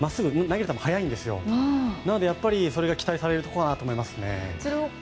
なのでそこがやっぱり期待されるところからと思います。